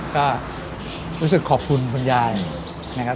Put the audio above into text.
ก็รู้สึกขอบคุณคุณยายนะครับ